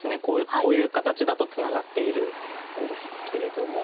こういう形だとツナがっているんですけれども。